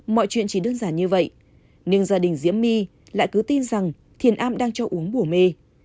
mọi chuyện chỉ đơn giản như vậy nhưng gia đình diễm my lại cứ tin rằng thiền am đang cho uống bổ mê